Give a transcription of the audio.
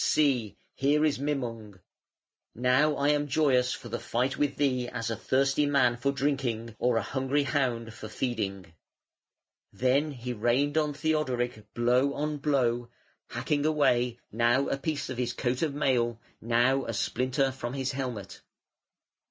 see! here is Mimung. Now am I joyous for the fight with thee as a thirsty man for drinking, or a hungry hound for feeding". Then he rained on Theodoric blow on blow, hacking away now a piece of his coat of mail, now a splinter from his helmet.